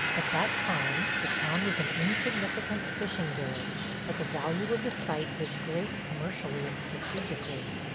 At that time the town was an insignificant fishing village, but the value of the site was great commercially and strategically.